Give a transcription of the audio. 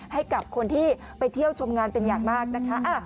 ให้กับคนที่ไปเที่ยวชมงานเป็นอย่างมากนะคะ